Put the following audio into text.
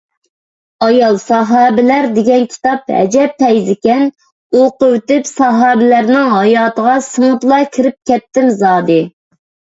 «ئايال ساھابىلەر» دېگەن كىتاب ئەجەب پەيزىكەن، ئوقۇۋېتىپ ساھابىلەرنىڭ ھاياتىغا سىڭىپلا كىرىپ كەتتىم زادى.